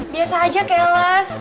biasa aja kayak les